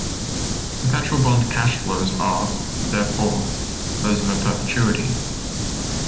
Perpetual bond cash flows are, therefore, those of a perpetuity.